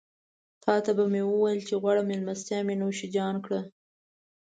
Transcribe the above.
تاته به مې وويل چې غوړه مېلمستيا مې نوشيجان کړه.